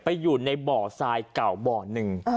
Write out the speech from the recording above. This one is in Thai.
อยู่ในบ่อทรายเก่าบ่อหนึ่ง